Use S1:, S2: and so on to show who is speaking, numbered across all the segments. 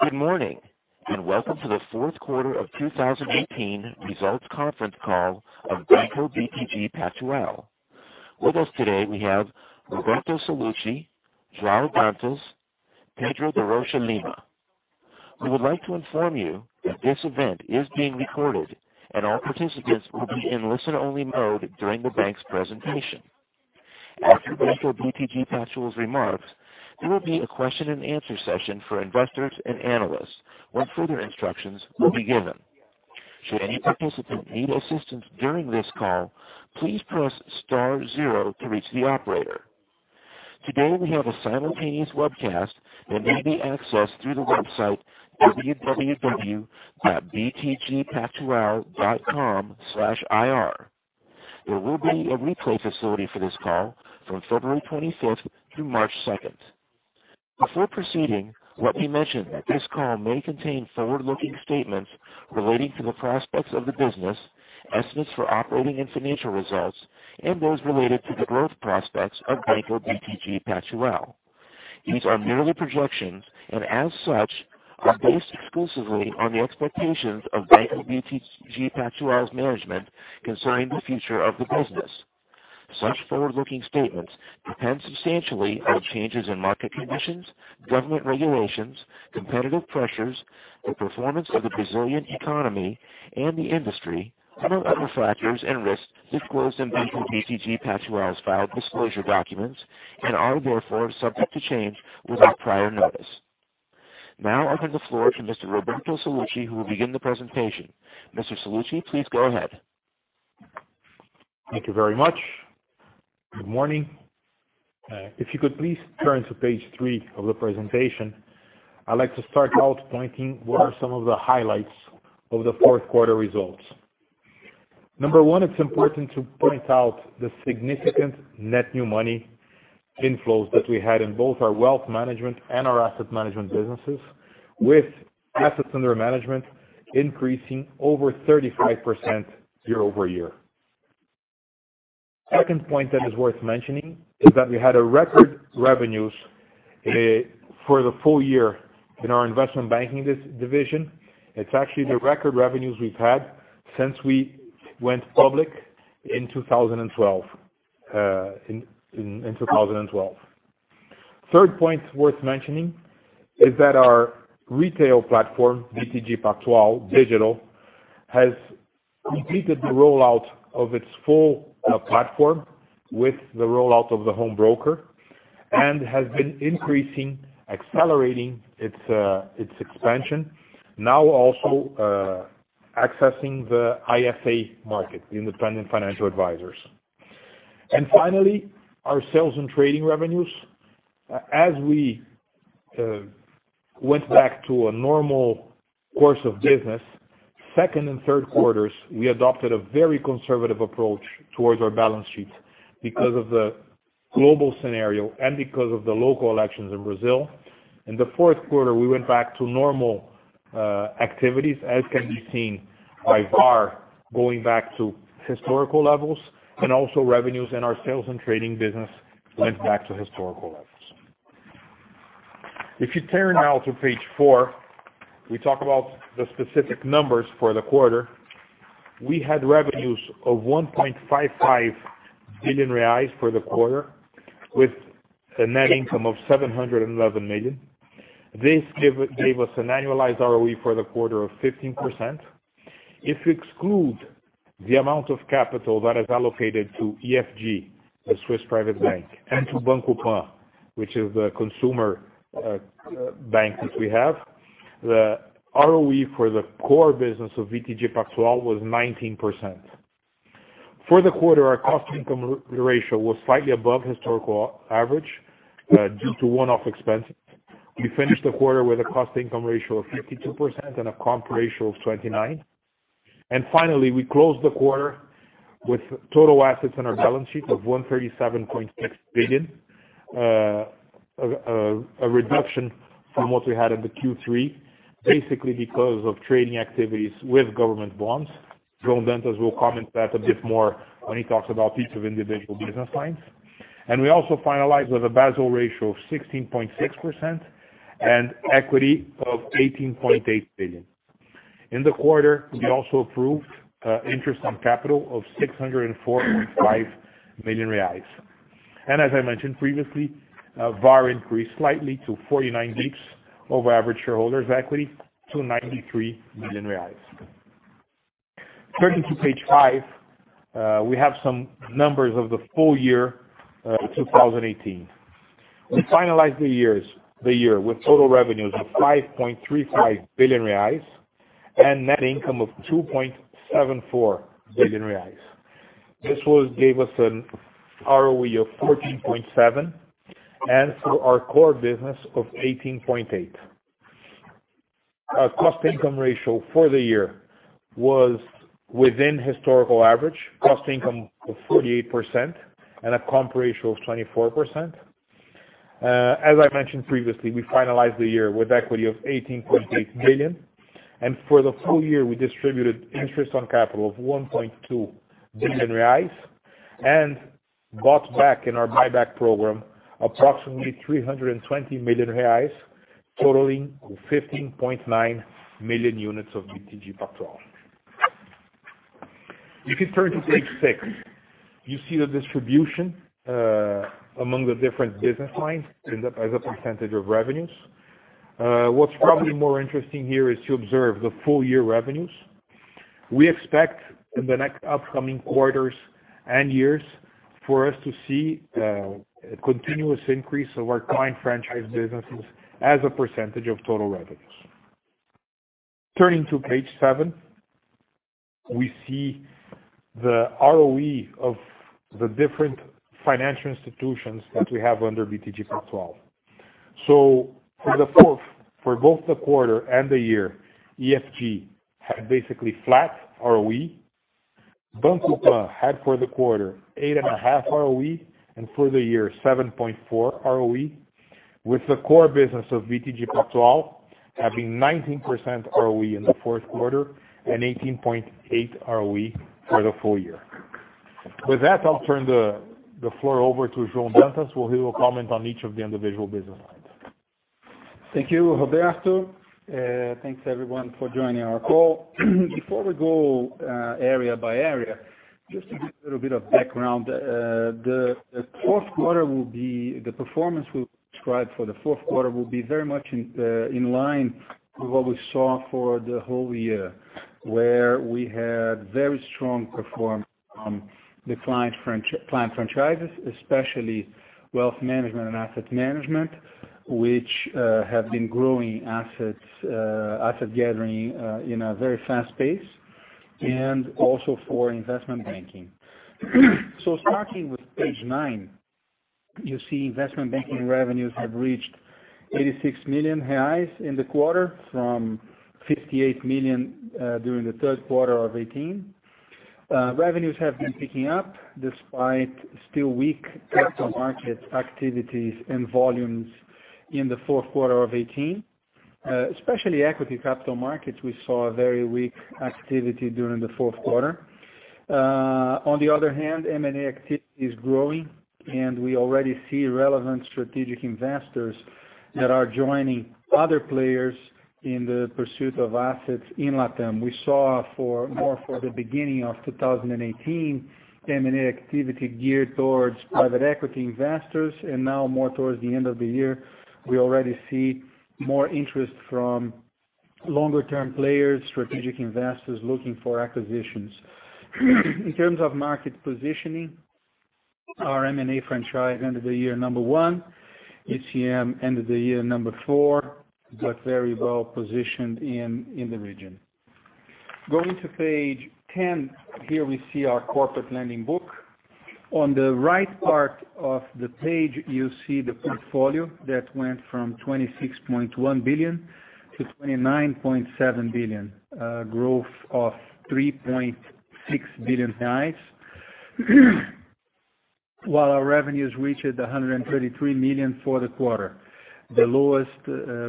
S1: Good morning, welcome to the fourth quarter of 2018 results conference call of Banco BTG Pactual. With us today, we have Roberto Sallouti, João Dantas, Pedro de Rocha Lima. We would like to inform you that this event is being recorded and all participants will be in listen-only mode during the bank's presentation. After Banco BTG Pactual's remarks, there will be a question-and-answer session for investors and analysts when further instructions will be given. Should any participant need assistance during this call, please press star zero to reach the operator. Today, we have a simultaneous webcast that may be accessed through the website www.btgpactual.com/ir. There will be a replay facility for this call from February 25th to March 2nd. Before proceeding, let me mention that this call may contain forward-looking statements relating to the prospects of the business, estimates for operating and financial results, and those related to the growth prospects of Banco BTG Pactual. These are merely projections and as such, are based exclusively on the expectations of Banco BTG Pactual's management concerning the future of the business. Such forward-looking statements depend substantially on changes in market conditions, government regulations, competitive pressures, the performance of the Brazilian economy and the industry, among other factors and risks disclosed in Banco BTG Pactual's filed disclosure documents, and are therefore subject to change without prior notice. I open the floor to Mr. Roberto Sallouti who will begin the presentation. Mr. Sallouti, please go ahead.
S2: Thank you very much. Good morning. If you could please turn to page three of the presentation, I'd like to start out pointing what are some of the highlights of the fourth quarter results. Number one, it's important to point out the significant net new money inflows that we had in both our Wealth Management and our Asset Management businesses, with assets under management increasing over 35% year-over-year. Second point that is worth mentioning is that we had a record revenues for the full year in our Investment Banking division. It's actually the record revenues we've had since we went public in 2012. Third point worth mentioning is that our retail platform, BTG Pactual Digital, has completed the rollout of its full platform with the rollout of the home broker, has been increasing, accelerating its expansion. also accessing the IFA market, the independent financial advisors. Finally, our Sales and Trading revenues. As we went back to a normal course of business, second and third quarters, we adopted a very conservative approach towards our balance sheets because of the global scenario and because of the local elections in Brazil. In the fourth quarter, we went back to normal activities, as can be seen by VaR, going back to historical levels, also revenues in our Sales and Trading business went back to historical levels. If you turn now to page four, we talk about the specific numbers for the quarter. We had revenues of 1.55 billion reais for the quarter, with a net income of 711 million. This gave us an annualized ROE for the quarter of 15%. If you exclude the amount of capital that is allocated to EFG, a Swiss private bank, and to Banco Pan, which is the consumer bank that we have, the ROE for the core business of BTG Pactual was 19%. For the quarter, our cost income ratio was slightly above historical average due to one-off expenses. We finished the quarter with a cost income ratio of 52% and a comp ratio of 29. Finally, we closed the quarter with total assets on our balance sheet of 137.6 billion. A reduction from what we had in the Q3, basically because of trading activities with government bonds. João Dantas will comment that a bit more when he talks about each of individual business lines. We also finalized with a Basel ratio of 16.6% and equity of 18.8 billion. In the quarter, we also approved interest on capital of 604.5 million reais. As I mentioned previously, VaR increased slightly to 49 basis points over average shareholders equity to 93 million reais. Turning to page five, we have some numbers of the full year 2018. We finalized the year with total revenues of 5.35 billion reais and net income of 2.74 billion reais. This gave us an ROE of 14.7% and for our core business of 18.8%. Our cost income ratio for the year was within historical average, cost income of 48% and a comp ratio of 24%. As I mentioned previously, we finalized the year with equity of 18.8 billion, for the full year, we distributed interest on capital of 1.2 billion reais. Bought back in our buyback program approximately 320 million reais, totaling 15.9 million units of BTG Pactual. If you turn to page six, you see the distribution among the different business lines as a percentage of revenues. What's probably more interesting here is to observe the full year revenues. We expect in the next upcoming quarters and years for us to see a continuous increase of our client franchise businesses as a percentage of total revenues. Turning to page seven, we see the ROE of the different financial institutions that we have under BTG Pactual. For both the quarter and the year, EFG had basically flat ROE. Banco Pan had for the quarter eight and a half percent ROE, and for the year 7.4% ROE. With the core business of BTG Pactual having 19% ROE in the fourth quarter, and 18.8% ROE for the full year. With that, I'll turn the floor over to João Dantas, where he will comment on each of the individual business lines.
S3: Thank you, Roberto. Thanks everyone for joining our call. Before we go area by area, just to give a little bit of background. The performance we will describe for the fourth quarter will be very much in line with what we saw for the whole year, where we had very strong performance from the client franchises, especially Wealth Management and Asset Management, which have been growing asset gathering in a very fast pace, and also for Investment Banking. Starting with page nine, you see Investment Banking revenues have reached 86 million reais in the quarter from 58 million during the third quarter of 2018. Revenues have been picking up despite still weak capital market activities and volumes in the fourth quarter of 2018. Especially equity capital markets, we saw a very weak activity during the fourth quarter. On the other hand, M&A activity is growing. We already see relevant strategic investors that are joining other players in the pursuit of assets in LatAm. We saw more for the beginning of 2018, M&A activity geared towards private equity investors. Now more towards the end of the year, we already see more interest from longer term players, strategic investors looking for acquisitions. In terms of market positioning, our M&A franchise ended the year number one. ECM ended the year number four, very well-positioned in the region. Going to page 10, here we see our Corporate Lending book. On the right part of the page, you see the portfolio that went from 26.1 billion to 29.7 billion. A growth of 3.6 billion, while our revenues reached 133 million for the quarter. The lowest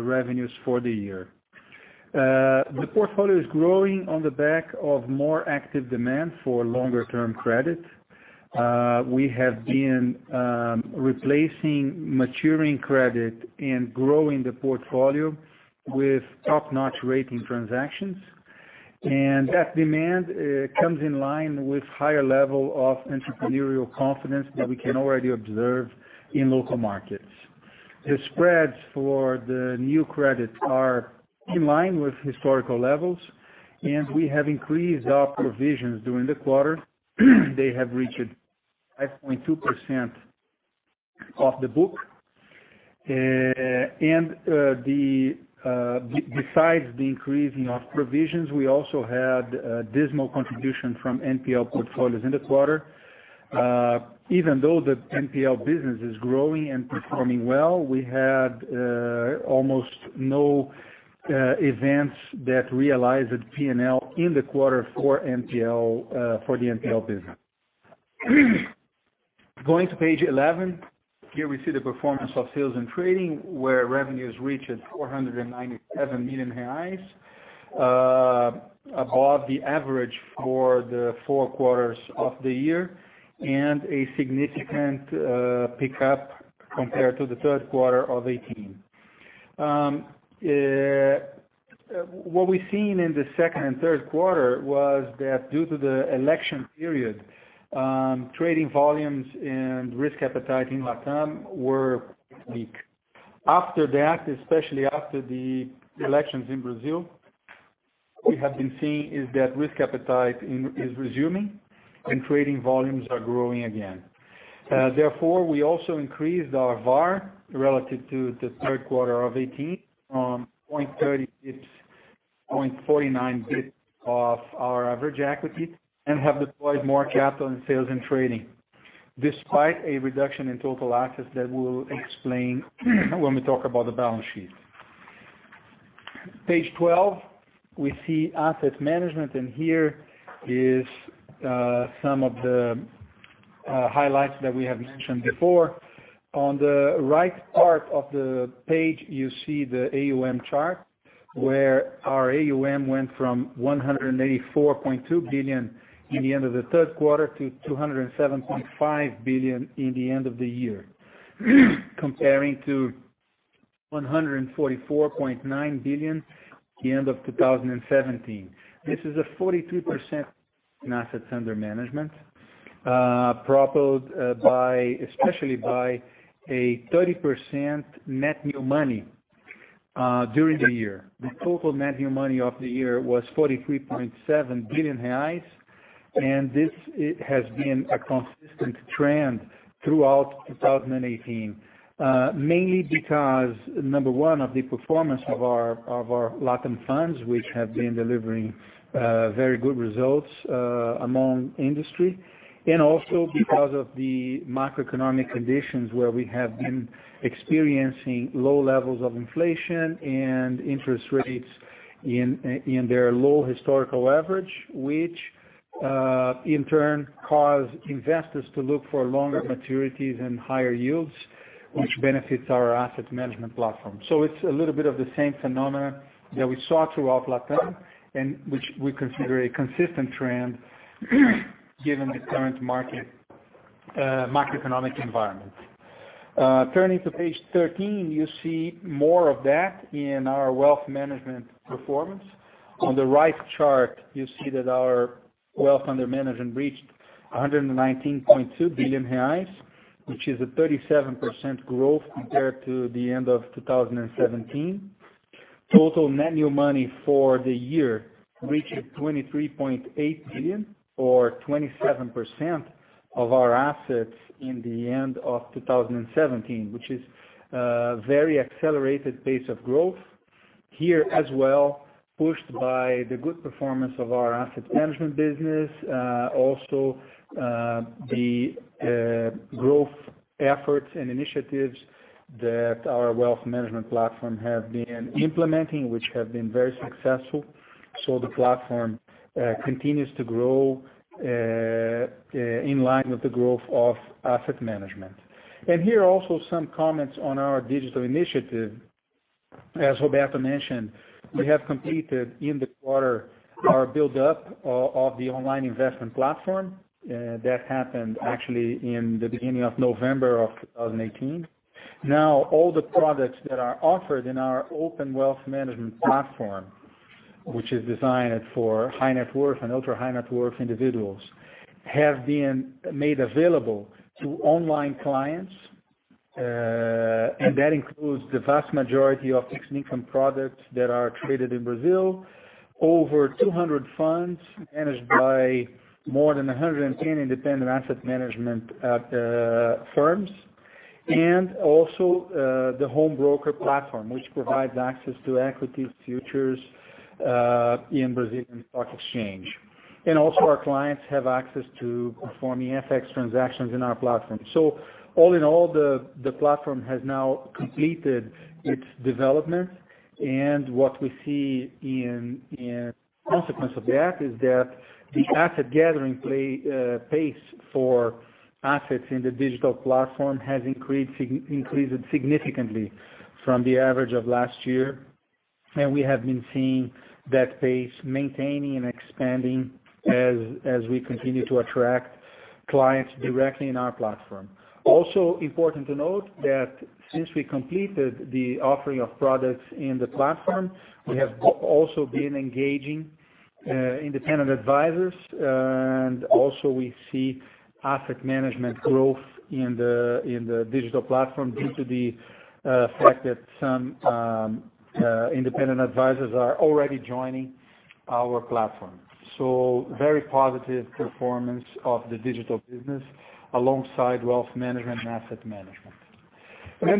S3: revenues for the year. The portfolio is growing on the back of more active demand for longer-term credit. We have been replacing maturing credit and growing the portfolio with top-notch rating transactions. That demand comes in line with higher level of entrepreneurial confidence that we can already observe in local markets. The spreads for the new credits are in line with historical levels. We have increased our provisions during the quarter. They have reached 5.2% of the book. Besides the increase in our provisions, we also had dismal contribution from NPL portfolios in the quarter. Even though the NPL business is growing and performing well, we had almost no events that realized P&L in the quarter for the NPL business. Going to page 11. Here we see the performance of Sales and Trading, where revenues reached 497 million reais, above the average for the four quarters of the year, a significant pickup compared to the third quarter of 2018. What we've seen in the second and third quarter was that due to the election period, trading volumes and risk appetite in LatAm were weak. After that, especially after the elections in Brazil, we have been seeing is that risk appetite is resuming and trading volumes are growing again. Therefore, we also increased our VaR relative to the third quarter of 2018 from 0.30 basis points, 0.49 basis point of our average equity, have deployed more capital in Sales and Trading, despite a reduction in total assets that we'll explain when we talk about the balance sheet. Page 12, we see Asset Management. Here is some of the highlights that we have mentioned before. On the right part of the page, you see the AUM chart. Where our AUM went from 184.2 billion in the end of the third quarter to 207.5 billion in the end of the year. Comparing to 144.9 billion the end of 2017. This is a 43% in assets under management, propelled especially by a 30% net new money during the year. The total net new money of the year was 43.7 billion reais. This has been a consistent trend throughout 2018. Mainly because, number one, of the performance of our LatAm funds, which have been delivering very good results among industry, also because of the macroeconomic conditions where we have been experiencing low levels of inflation and interest rates in their low historical average, which in turn cause investors to look for longer maturities and higher yields, which benefits our Asset Management platform. It's a little bit of the same phenomena that we saw throughout LatAm, and which we consider a consistent trend, given the current macroeconomic environment. Turning to page 13, you see more of that in our Wealth Management performance. On the right chart, you see that our wealth under management reached 119.2 billion reais, which is a 37% growth compared to the end of 2017. Total net new money for the year reached 23.8 billion or 27% of our assets in the end of 2017, which is a very accelerated pace of growth. Here as well, pushed by the good performance of our Asset Management business, also the growth efforts and initiatives that our Wealth Management platform have been implementing, which have been very successful. The platform continues to grow in line with the growth of Asset Management. Here also some comments on our digital initiative. As Roberto mentioned, we have completed in the quarter our buildup of the online investment platform, that happened actually in the beginning of November of 2018. Now, all the products that are offered in our open Wealth Management platform, which is designed for high net worth and ultra-high net worth individuals, have been made available to online clients, and that includes the vast majority of fixed income products that are traded in Brazil. Over 200 funds managed by more than 110 independent Asset Management firms. Also, the home broker platform, which provides access to equities, futures, in Brazilian stock exchange. Also our clients have access to performing FX transactions in our platform. All in all, the platform has now completed its development and what we see in consequence of that is that the asset gathering pace for assets in the digital platform has increased significantly from the average of last year. We have been seeing that pace maintaining and expanding as we continue to attract clients directly in our platform. Also important to note that since we completed the offering of products in the platform, we have also been engaging independent advisors, and also we see Asset Management growth in the digital platform due to the fact that some independent advisors are already joining our platform. Very positive performance of the digital business alongside Wealth Management and Asset Management.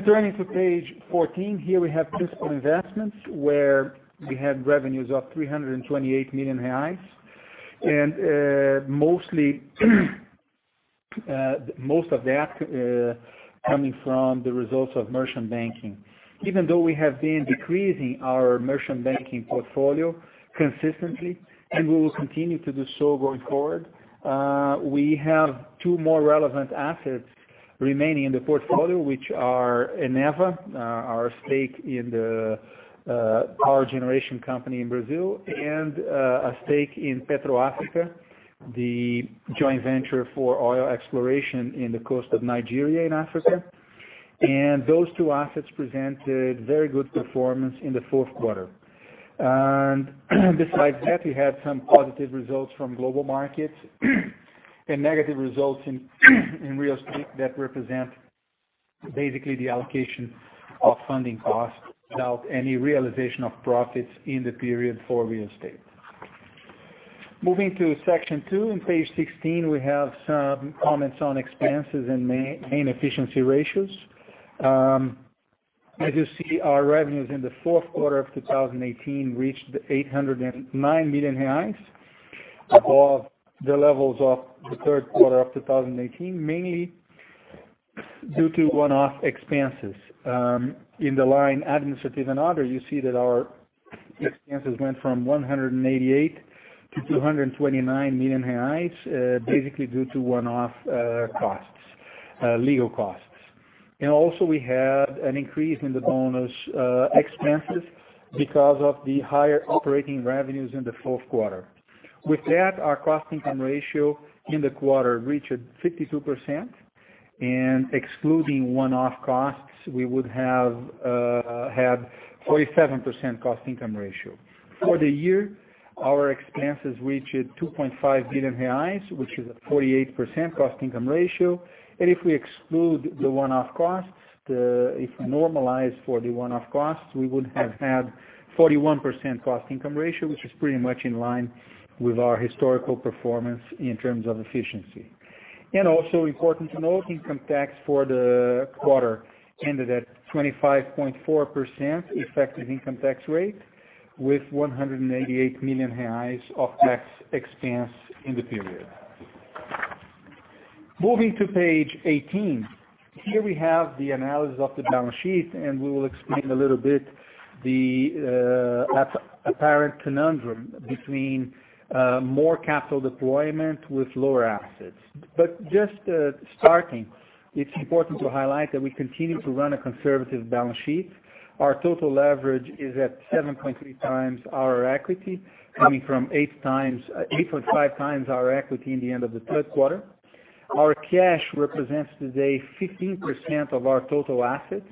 S3: Turning to page 14, here we have Principal Investments where we had revenues of 328 million reais, and most of that coming from the results of merchant banking. Even though we have been decreasing our merchant banking portfolio consistently, and we will continue to do so going forward, we have two more relevant assets remaining in the portfolio which are Eneva, our stake in the power generation company in Brazil, and a stake in PetroAfrica, the joint venture for oil exploration in the coast of Nigeria in Africa. Those two assets presented very good performance in the fourth quarter. Besides that, we had some positive results from global markets and negative results in real estate that represent basically the allocation of funding costs without any realization of profits in the period for real estate. Moving to section two on page 16, we have some comments on expenses and main efficiency ratios. As you see, our revenues in the fourth quarter of 2018 reached 809 million reais above the levels of the third quarter of 2018, mainly due to one-off expenses. In the line "Administrative and other," you see that our expenses went from 188 million to 229 million reais, basically due to one-off costs, legal costs. Also, we had an increase in the bonus expenses because of the higher operating revenues in the fourth quarter. With that, our cost-income ratio in the quarter reached 52%, and excluding one-off costs, we would have had 47% cost-income ratio. For the year, our expenses reached 2.5 billion reais, which is a 48% cost-income ratio. If we exclude the one-off costs, if we normalize for the one-off costs, we would have had 41% cost-income ratio, which is pretty much in line with our historical performance in terms of efficiency. Also important to note, income tax for the quarter ended at 25.4% effective income tax rate with 188 million reais of tax expense in the period. Moving to page 18. Here we have the analysis of the balance sheet. We will explain a little bit the apparent conundrum between more capital deployment with lower assets. Just starting, it's important to highlight that we continue to run a conservative balance sheet. Our total leverage is at 7.3 times our equity, coming from 8.5 times our equity in the end of the third quarter. Our cash represents today 15% of our total assets.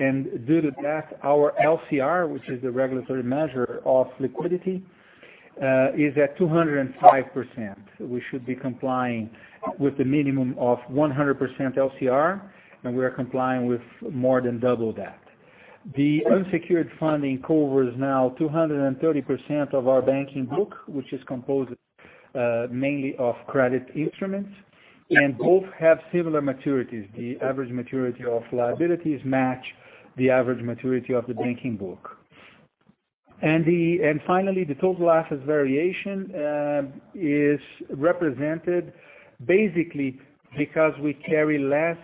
S3: Due to that, our LCR, which is a regulatory measure of liquidity, is at 205%. We should be complying with the minimum of 100% LCR, and we are complying with more than double that. The unsecured funding covers now 230% of our banking book, which is composed mainly of credit instruments. Both have similar maturities. The average maturity of liabilities match the average maturity of the banking book. Finally, the total assets variation is represented basically because we carry less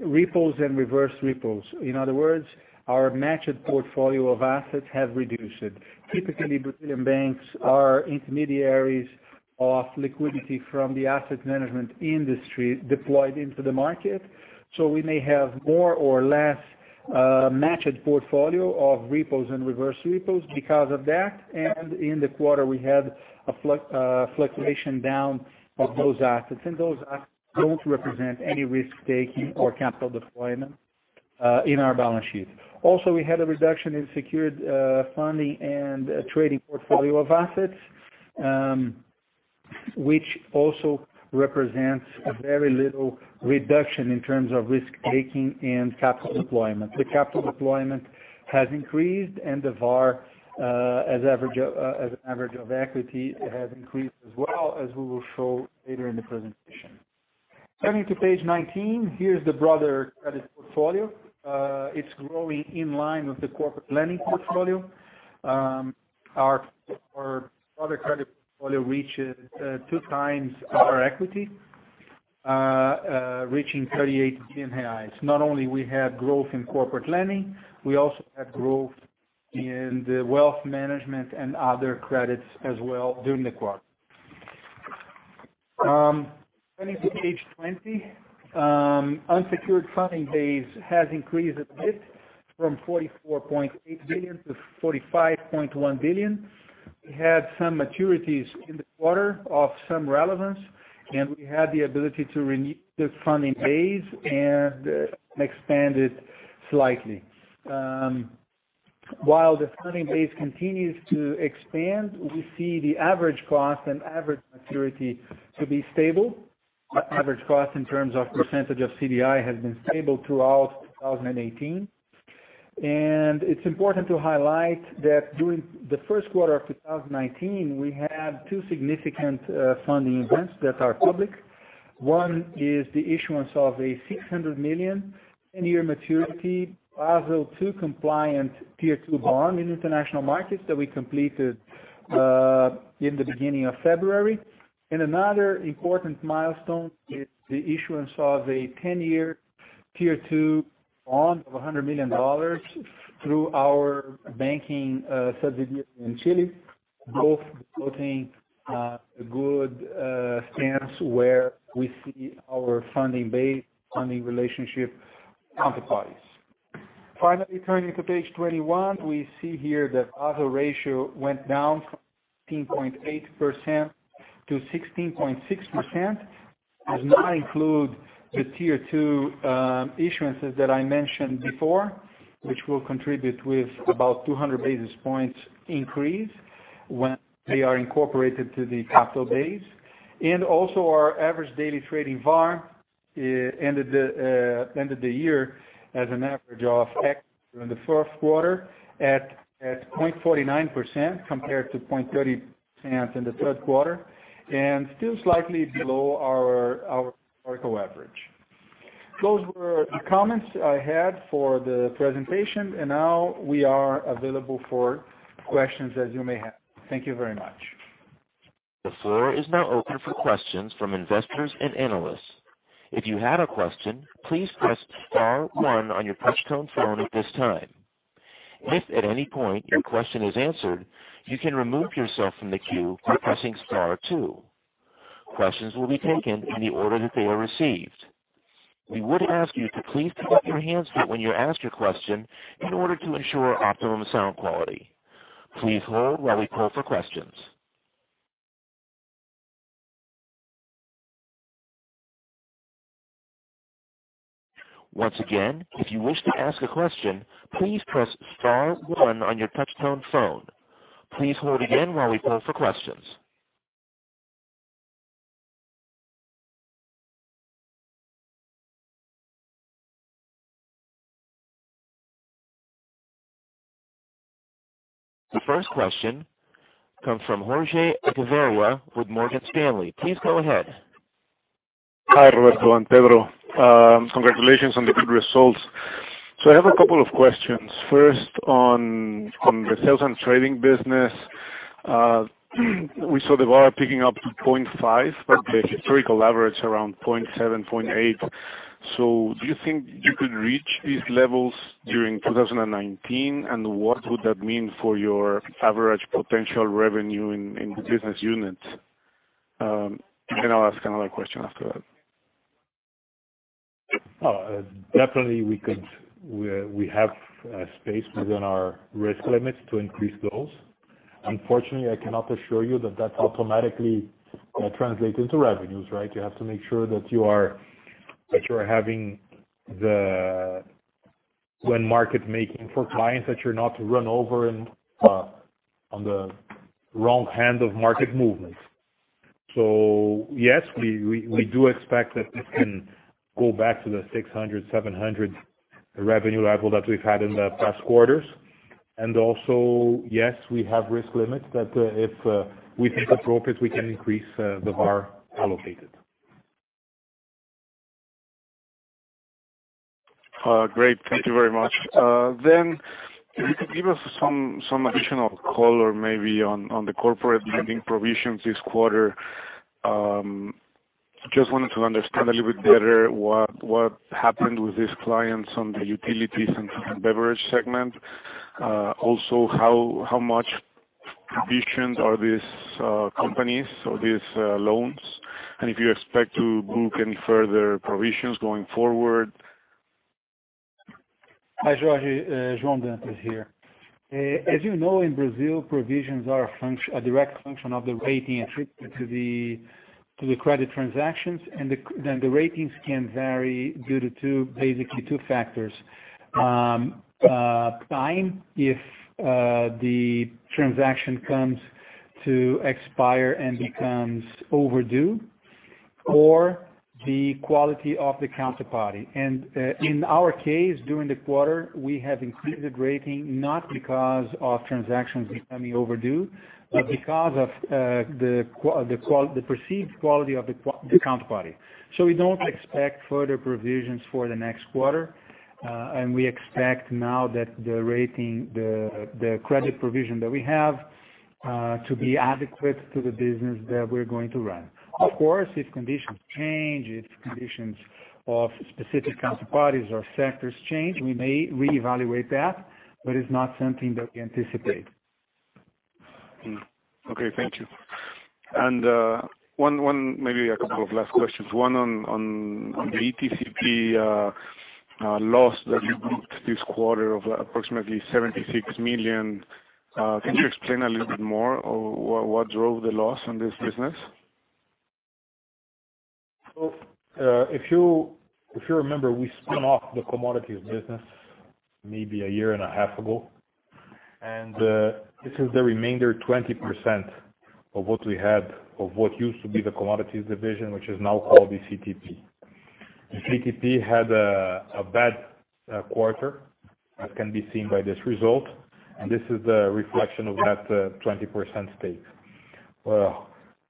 S3: repos and reverse repos. In other words, our matched portfolio of assets have reduced. Typically, Brazilian banks are intermediaries of liquidity from the Asset Management industry deployed into the market. We may have more or less matched portfolio of repos and reverse repos because of that. In the quarter, we had a fluctuation down of those assets, and those assets don't represent any risk-taking or capital deployment in our balance sheet. Also, we had a reduction in secured funding and trading portfolio of assets, which also represents a very little reduction in terms of risk-taking and capital deployment. The capital deployment has increased. The VaR as average of equity has increased as well, as we will show later in the presentation. Turning to page 19, here is the broader credit portfolio. It's growing in line with the Corporate Lending portfolio. Our other credit portfolio reaches two times our equity, reaching 38 billion. Not only we have growth in Corporate Lending, we also have growth in the Wealth Management and other credits as well during the quarter. Turning to page 20, unsecured funding base has increased a bit from 44.8 billion to 45.2 billion. We had some maturities in the quarter of some relevance. We had the ability to renew the funding base and expand it slightly. While the funding base continues to expand, we see the average cost and average maturity to be stable. It's important to highlight that during the first quarter of 2019, we had two significant funding events that are public. One is the issuance of a $600 million 10-year maturity, Basel II compliant Tier 2 bond in international markets that we completed in the beginning of February. Another important milestone is the issuance of a 10-year Tier 2 bond of $100 million through our banking subsidiary in Chile, both floating a good stance where we see our funding base, funding relationship counterparties. Finally, turning to page 21, we see here that other ratio went down from 15.8% to 16.6%, does not include the Tier 2 issuances that I mentioned before, which will contribute with about 200 basis points increase when they are incorporated to the capital base. Also our average daily trading VaR ended the year as an average of X in the fourth quarter at 0.49% compared to 0.30% in the third quarter, still slightly below our historical average. Those were the comments I had for the presentation, now we are available for questions that you may have. Thank you very much.
S1: The floor is now open for questions from investors and analysts. If you had a question, please press star one on your push-to-talk phone at this time. If at any point your question is answered, you can remove yourself from the queue by pressing star two. Questions will be taken in the order that they are received. We would ask you to please put up your hands up when you ask your question in order to ensure optimum sound quality. Please hold while we call for questions. Once again, if you wish to ask a question, please press star one on your touch-tone phone. Please hold again while we call for questions. The first question comes from Jorge Kuri with Morgan Stanley. Please go ahead.
S4: Hi, Roberto and Pedro. Congratulations on the good results. I have a couple of questions. First, on the Sales and Trading business, we saw the VaR picking up to 0.5, but the historical average around 0.7, 0.8. Do you think you could reach these levels during 2019, what would that mean for your average potential revenue in the business unit? Then I'll ask another question after that.
S2: Definitely we have space within our risk limits to increase those. Unfortunately, I cannot assure you that that automatically translates into revenues, right? You have to make sure that you're having when market making for clients that you're not run over on the wrong hand of market movements. Yes, we do expect that this can go back to the 600-700 revenue level that we've had in the past quarters. Also, yes, we have risk limits that if we think appropriate, we can increase the VaR allocated.
S4: Great. Thank you very much. If you could give us some additional color maybe on the Corporate Lending provisions this quarter. Just wanted to understand a little bit better what happened with these clients on the utilities and beverage segment. Also how much provisions are these companies or these loans, and if you expect to book any further provisions going forward?
S3: Hi, Jorge. João Dantas here. As you know, in Brazil, provisions are a direct function of the rating attributed to the credit transactions. The ratings can vary due to basically two factors. Time, if the transaction comes to expire and becomes overdue, or the quality of the counterparty. In our case, during the quarter, we have increased the rating not because of transactions becoming overdue, but because of the perceived quality of the counterparty. We don't expect further provisions for the next quarter. We expect now that the credit provision that we have to be adequate to the business that we're going to run. Of course, if conditions change, if conditions of specific counterparties or sectors change, we may reevaluate that, but it's not something that we anticipate.
S4: Okay. Thank you. One, maybe a couple of last questions, one on the ECTP loss that you booked this quarter of approximately 76 million. Can you explain a little bit more what drove the loss on this business?
S2: If you remember, we spun off the commodities business maybe a year and a half ago. This is the remainder 20% of what we had, of what used to be the commodities division, which is now called ECTP. ECTP had a bad quarter, as can be seen by this result, This is a reflection of that 20% stake.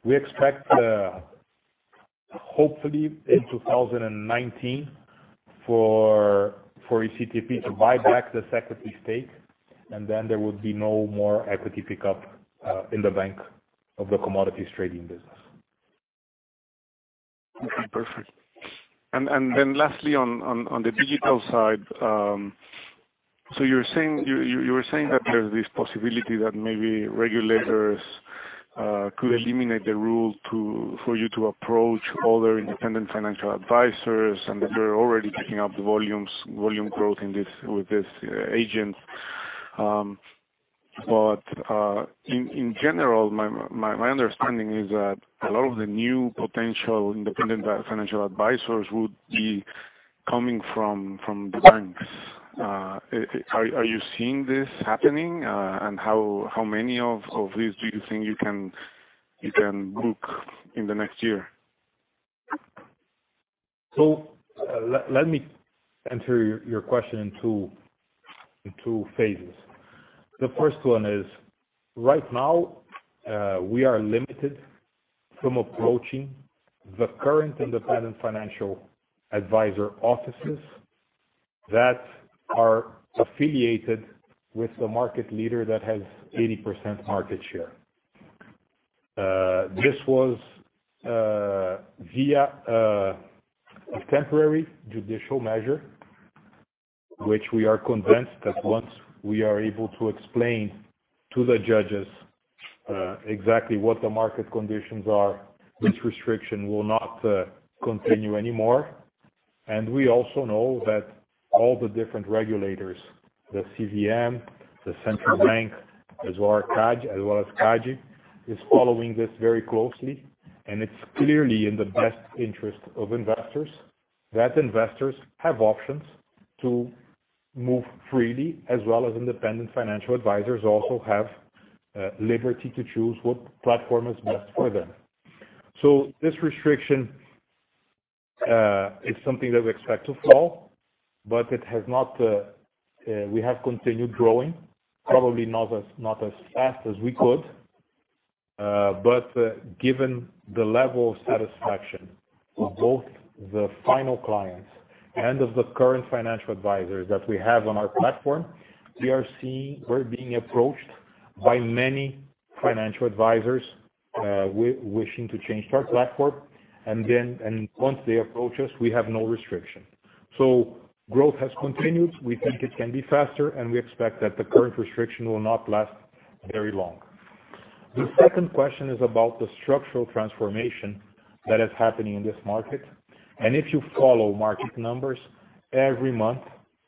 S2: We expect, hopefully in 2019, for ECTP to buy back the equity stake, Then there will be no more equity pickup in the bank of the commodities trading business.
S4: Okay, perfect. Lastly on the digital side, You were saying that there's this possibility that maybe regulators could eliminate the rule for you to approach other independent financial advisors, You're already picking up the volume growth with these agents. In general, my understanding is that a lot of the new potential independent financial advisors would be coming from the banks. Are you seeing this happening? How many of these do you think you can book in the next year?
S2: Let me answer your question in two phases. The first one is, right now, we are limited from approaching the current independent financial advisor offices that are affiliated with the market leader that has 80% market share. This was via a temporary judicial measure, which we are convinced that once we are able to explain to the judges exactly what the market conditions are, this restriction will not continue anymore. We also know that all the different regulators, the CVM, the Central Bank, as well as CADE, is following this very closely, It's clearly in the best interest of investors that investors have options to move freely, as well as independent financial advisors also have liberty to choose what platform is best for them. This restriction is something that we expect to fall, We have continued growing, probably not as fast as we could. Given the level of satisfaction of both the final clients and of the current financial advisors that we have on our platform, we're being approached by many financial advisors wishing to change to our platform. Once they approach us, we have no restriction. Growth has continued. We think it can be faster, We expect that the current restriction will not last very long. The second question is about the structural transformation that is happening in this market. If you follow market numbers, every month,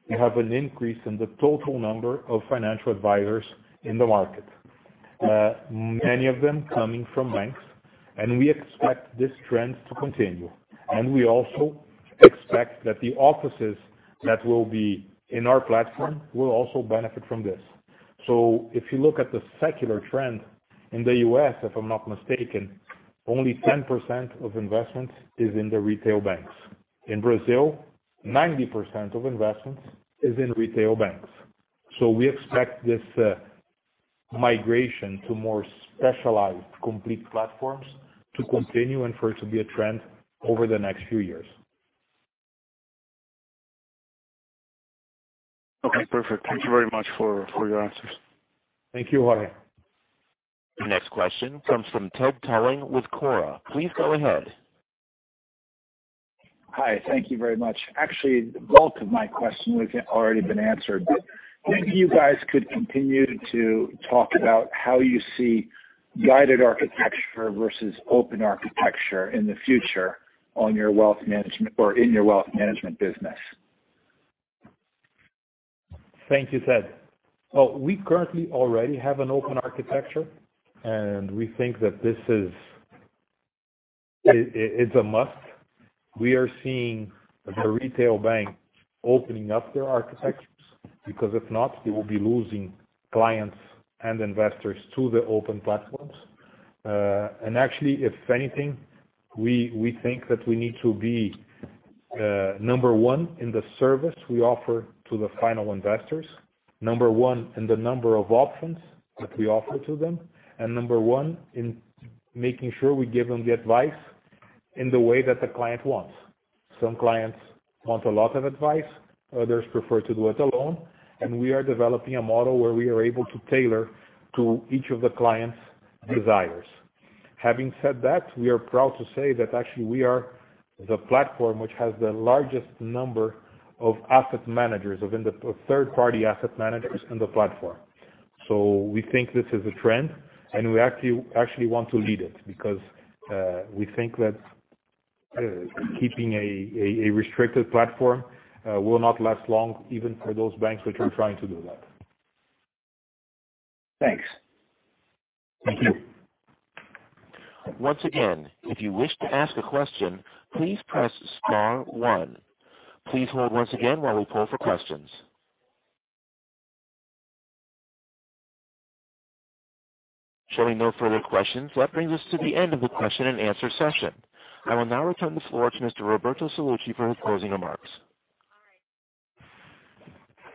S2: you have an increase in the total number of financial advisors in the market. Many of them coming from banks, We expect this trend to continue. We also expect that the offices that will be in our platform will also benefit from this. If you look at the secular trend in the U.S., if I am not mistaken, only 10% of investments is in the retail banks. In Brazil, 90% of investments is in retail banks. We expect this migration to more specialized complete platforms to continue and for it to be a trend over the next few years.
S4: Okay, perfect. Thank you very much for your answers.
S2: Thank you, Jorge.
S1: The next question comes from Thiago Batista with Kora. Please go ahead.
S5: Hi. Thank you very much. Actually, the bulk of my question has already been answered. Maybe you guys could continue to talk about how you see guided architecture versus open architecture in the future on your Wealth Management or in your Wealth Management business.
S2: Thank you, Ted. We currently already have an open architecture, and we think that it's a must. We are seeing the retail bank opening up their architectures because if not, they will be losing clients and investors to the open platforms. Actually, if anything, we think that we need to be number one in the service we offer to the final investors, number one in the number of options that we offer to them, and number one in making sure we give them the advice in the way that the client wants. Some clients want a lot of advice, others prefer to do it alone, and we are developing a model where we are able to tailor to each of the client's desires. Having said that, we are proud to say that actually we are the platform which has the largest number of asset managers, third party asset managers in the platform. We think this is a trend, and we actually want to lead it because we think that keeping a restricted platform will not last long, even for those banks which are trying to do that.
S5: Thanks.
S2: Thank you.
S1: Once again, if you wish to ask a question, please press star one. Please hold once again while we poll for questions. Showing no further questions, that brings us to the end of the question and answer session. I will now return the floor to Mr. Roberto Sallouti for his closing remarks.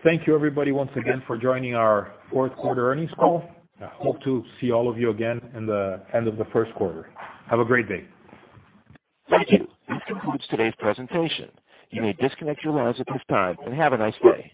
S2: Thank you everybody once again for joining our fourth quarter earnings call. I hope to see all of you again in the end of the first quarter. Have a great day.
S1: Thank you. This concludes today's presentation. You may disconnect your lines at this time. Have a nice day.